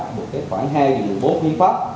một cái khoảng hai bốn khuyên pháp